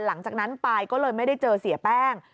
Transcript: หลังจากนั้นปายก็เลยไม่ได้เจอเสียแป้ง